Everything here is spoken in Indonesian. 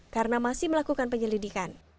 karena masih melakukan penyelidikan